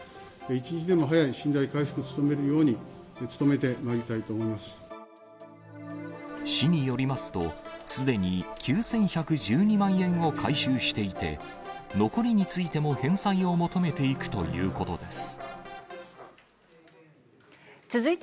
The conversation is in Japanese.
一日でも早い信頼回復に努めるように、市によりますと、すでに９１１２万円を回収していて、残りについても返済を求めていくということです。